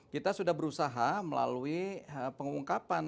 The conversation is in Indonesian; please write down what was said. kita sudah berusaha melalui pengungkapan